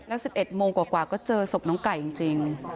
แล้วสิบเอ็ดโมงกว่ากว่าก็เจอศพน้องไก่จริงจริง